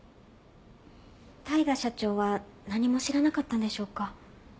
大海社長は何も知らなかったんでしょうか？